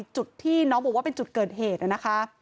จุดที่น้องบอกว่าเป็นจุดเกิดเหตุนะคะ